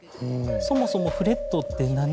「そもそもフレットって何？」